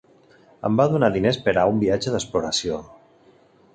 Em va donar diners per a un viatge d'exploració…